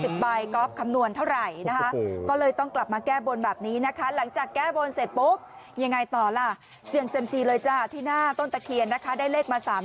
ใบก๊อฟคำนวณเท่าไหร่นะคะก็เลยต้องกลับมาแก้บนแบบนี้นะคะหลังจากแก้บนเสร็จปุ๊บยังไงต่อล่ะเสี่ยงเซ็มซีเลยจ้ะที่หน้าต้นตะเคียนนะคะได้เลขมา๓๐